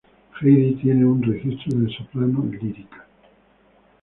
Heidi tiene un registro de soprano lírica.